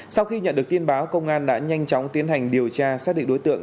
sau khi nhận được tin báo công an đã nhanh chóng tiến hành điều tra xác định đối tượng